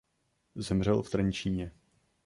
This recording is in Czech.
Zemřel v Trenčíně.